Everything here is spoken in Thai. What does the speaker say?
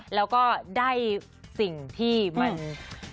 แล้วก็ได้สิ่งที่มัน